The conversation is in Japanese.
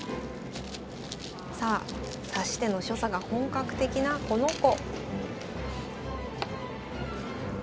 さあ指し手の所作が本格的なこの子。